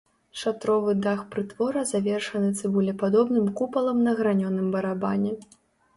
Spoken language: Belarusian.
Шатровы дах прытвора завершаны цыбулепадобным купалам на гранёным барабане.